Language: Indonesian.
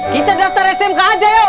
kita daftar smk aja ya